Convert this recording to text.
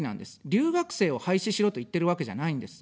留学生を廃止しろと言ってるわけじゃないんです。